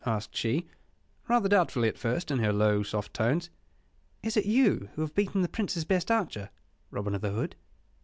asked she, rather doubtfully at first, in her low, soft tones. "Is it you who have beaten the Prince's best archer, Robin o' th' Hood?"